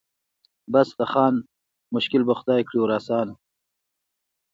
بس د خان مشکل به خدای کړي ور آسانه